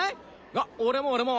あっ俺も俺も！